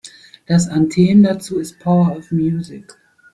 Das Anthem dazu ist „Power of Music“.